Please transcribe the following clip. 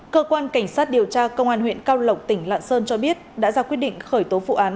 cơ quan cảnh sát điều tra công an huyện cao lộc tỉnh lạng sơn cho biết đã ra quyết định khởi tố vụ án